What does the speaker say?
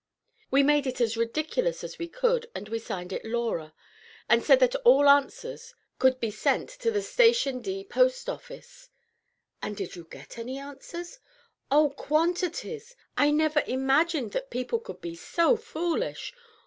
We made it as ridiculous as we could, and we signed it 'Laura,' and said that all the answers could be sent to the Station D Post office." "And did you get any answers?" "Oh, quantities! I never imagined that people could be so foolish.